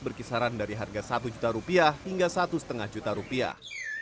berkisaran dari harga satu juta rupiah hingga satu lima juta rupiah